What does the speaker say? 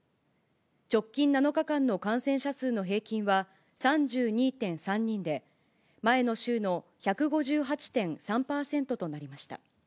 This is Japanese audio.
直近７日間の感染者数の平均は、３２．３人で、前の週の１５８．３％となりました。